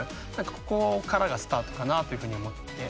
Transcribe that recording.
ここからがスタートかなというふうに思って。